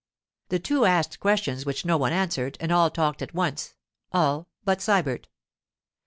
The two asked questions which no one answered, and all talked at once—all but Sybert.